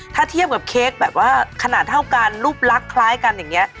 ถ้าเทียบกับเค้กแบบว่าขนาดเท่ากันรูปลักษณ์คล้ายกันอย่างนี้